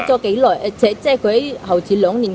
jadi dia sudah berusaha selama dua tahun